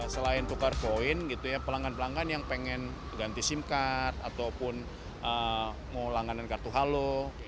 selain tukar poin pelanggan pelanggan yang ingin ganti sim card atau mau langganan kartu halo